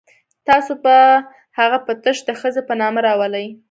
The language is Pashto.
تاسو به هغه په تش د ښځې په نامه راولئ.